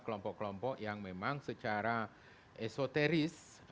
kelompok kelompok yang memang secara esoteris